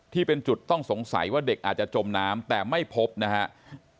ที่เป็นจุดต้องสงสัยว่าเด็กอาจจะจมน้ำแต่ไม่พบนะครับ